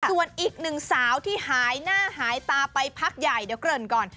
ส่วนอีกหนึ่งสาวที่หายหน้าหายตาไปพักใหญ่เดี๋ยวเกริ่นก่อน